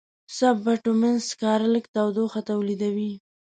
سب بټومینس سکاره لږ تودوخه تولیدوي.